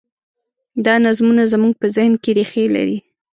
دا نظمونه زموږ په ذهن کې رېښې لري.